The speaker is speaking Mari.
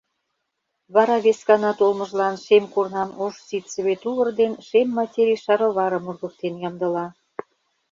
Вара вескана толмыжлан шем корнан ош ситцевый тувыр ден шем материй шароварым ургыктен ямдыла.